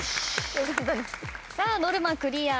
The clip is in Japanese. さあノルマクリア。